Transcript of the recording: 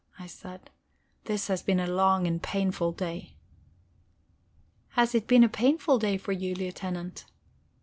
I said. "This has been a long and painful day." "Has it been a painful day for you, Lieutenant?"